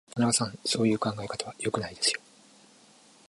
田中さん、そういう考え方は良くないですよ。